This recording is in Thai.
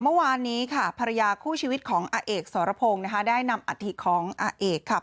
เมื่อวานนี้ภรรยาคู่ชีวิตของอาเอกสรพงศ์ได้นำอาทิตย์ของอาเอกสรพงศ์